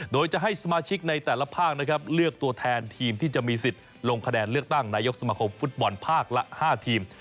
โดยจะให้สมาชิกในแต่ละภาคนะครับเลือกตัวแทนทีมที่จะมีสิทธิ์ลงคะแนนเลือกตั้งนายกสมคมฟุตบอลภาคละ๕ทีม